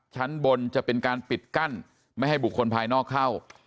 ชั้นบนจะเป็นการปิดกั้นไม่ให้บุคคลภายนอกเข้า